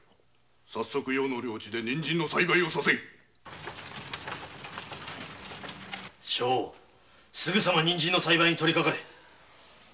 早速余の領地で人参の栽培をさせいすぐに人参の栽培にとりかかれお断りします。